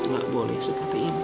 aku gak boleh seperti ini